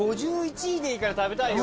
５１位でいいから食べたいよ